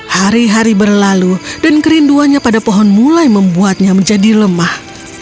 hari hari berlalu dan kerinduannya pada pohon mulai membuatnya menjadi lemah